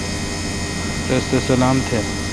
رس تھ سلام تھ۔